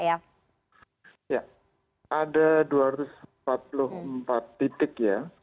ya ada dua ratus empat puluh empat titik ya